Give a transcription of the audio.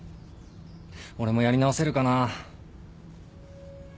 俺もやり直せるかなあ